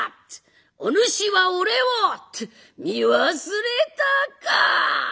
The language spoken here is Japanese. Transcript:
お主は俺を見忘れたか」。